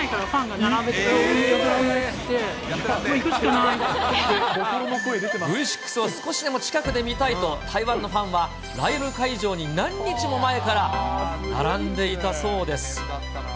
やってらんねぇ、もう行くしかなＶ６を少しでも近くで見たいと、台湾のファンはライブ会場に何日も前から並んでいたそうです。